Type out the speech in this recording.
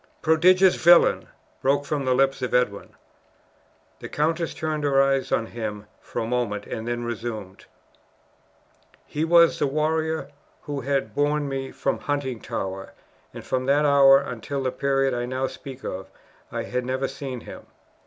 "Prodigious villain!" broke from the lips of Edwin. The countess turned her eye on him for a moment and then resumed: "He was the warrior who had borne me from Huntingtower, and from that hour until the period I now speak of, I had never seen him.